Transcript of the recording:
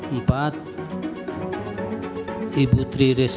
empat ibu tri resma harini menteri sosial